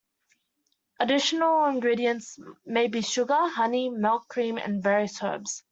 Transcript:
Additional ingredients may be sugar, honey, milk, cream, and various herbs.